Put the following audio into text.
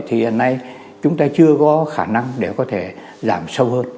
thì hiện nay chúng ta chưa có khả năng để có thể giảm sâu hơn